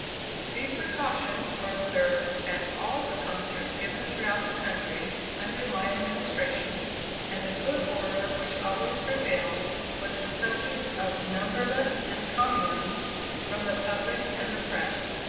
These precautions were observed at all the concerts given throughout the country under my administration, and the good order which always prevailed was the subject of numberless encomiums from the public and the press.